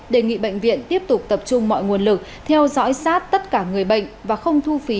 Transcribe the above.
đề nghị bệnh viện tiếp tục tập trung mọi nguồn lực theo dõi sát tất cả người bệnh và không thu phí